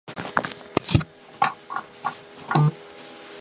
In theory, this knot would make hoisting many people with one line possible.